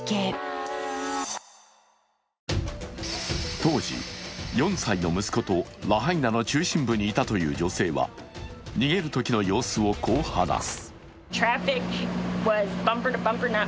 当時、４歳の息子とラハイナの中心部にいたという女性は逃げるときの様子をこう話す。